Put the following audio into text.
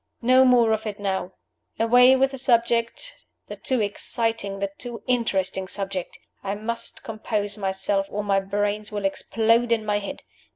No more of it now. Away with the subject the too exciting, the too interesting subject! I must compose myself or my brains will explode in my head.